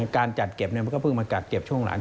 การจัดเก็บมันก็เพิ่งมากักเก็บช่วงหลัง